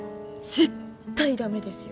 絶対ダメですよ